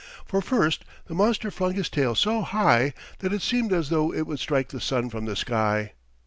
For first the monster flung his tail so high that it seemed as though it would strike the sun from the sky.